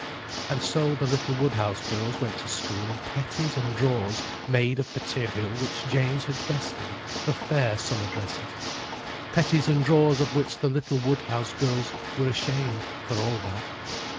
And so the little Woodhouse girls went to school in petties and drawers made of material which James had destined for fair summer dresses: petties and drawers of which the little Woodhouse girls were ashamed, for all that.